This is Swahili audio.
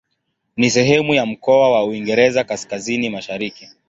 Ni sehemu ya mkoa wa Uingereza Kaskazini-Mashariki.